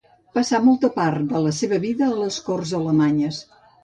Passà molta part de la seva vida a les corts alemanyes.